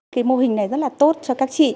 cái mô hình này rất là tốt cho các chị